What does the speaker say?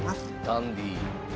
ダンディー。